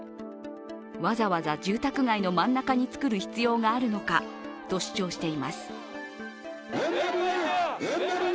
わざわざ住宅街の真ん中に作る必要があるのかと主張しています。